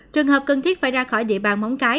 trường hợp cần thiết phải ra khỏi địa bàn móng cái